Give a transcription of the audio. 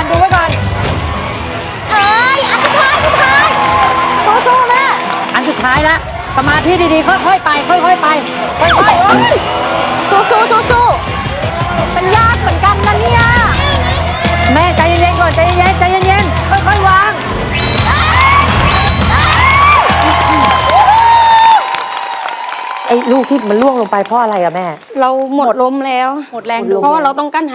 ใจเย็นนะครับสู้สู้ดูละก่อนดูละก่อน